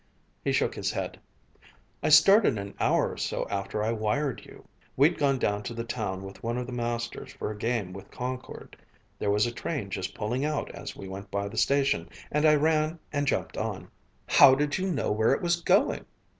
He shook his head: "I started an hour or so after I wired you. We'd gone down to the town with one of the masters for a game with Concord. There was a train just pulling out as we went by the station, and I ran and jumped on." "How'd you know where it was going?"